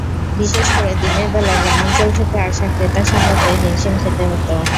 বিশেষ করে দিনের বেলা গ্রামাঞ্চল থেকে আসা ক্রেতা সামলাতে হিমশিম খেতে হতো।